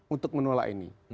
untuk menolak ini